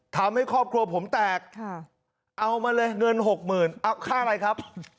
ทำให้ครอบครัวผมแตกเอามาเลยเงินหกหมื่นเอาค่าอะไรครับ